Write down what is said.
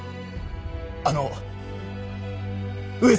あの上様。